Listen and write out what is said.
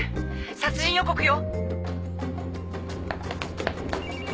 殺人予告よ！